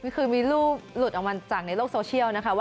คือมีรูปหลุดออกมาจากในโลกโซเชียลนะคะว่า